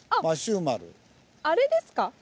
あれですか？